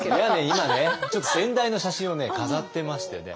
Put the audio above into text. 今ねちょっと先代の写真を飾ってましてね。